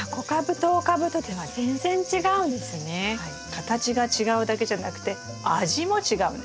形が違うだけじゃなくて味も違うんです。